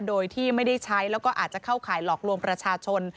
โดยที่ไม่ได้ใช้แล้วก็อาจจะเข้าข่ายหลอกลวงประชาชน